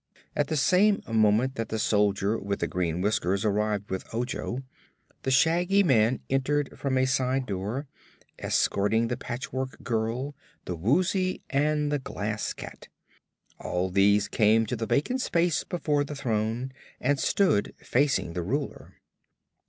At the same moment that the Soldier with the Green Whiskers arrived with Ojo, the Shaggy Man entered from a side door, escorting the Patchwork Girl, the Woozy and the Glass Cat. All these came to the vacant space before the throne and stood facing the Ruler.